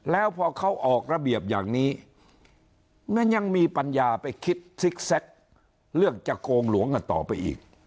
แล้วพอเขาออกระเบียบอย่างนี้มันยังมีปัญญาไปคิดซิกแซคเรื่องจะโกงหลวงกันต่อไปอีก